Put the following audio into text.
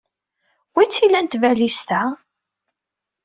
Anwa ay tt-ilan tbalizt-a?